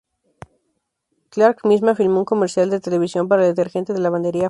Clark misma filmó un comercial de televisión para el detergente de lavandería Fab.